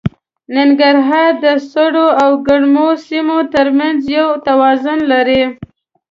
ننګرهار د سړو او ګرمو سیمو تر منځ یو توازن لري.